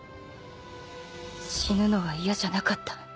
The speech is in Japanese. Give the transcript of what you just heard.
死ぬのは嫌じゃなかった